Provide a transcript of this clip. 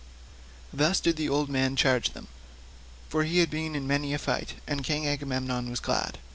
Thus did the old man charge them, for he had been in many a fight, and King Agamemnon was glad.